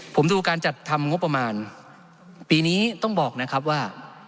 ผมดูการจัดทำงบประมาณปีนี้ต้องบอกนะครับว่า